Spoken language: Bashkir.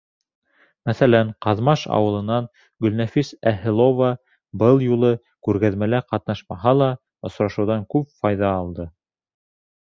Мәҫәлән, Ҡаҙмаш ауылынан Гөлнәфис Әһелова, был юлы күргәҙмәлә ҡатнашмаһа ла, осрашыуҙан күп файҙа алды.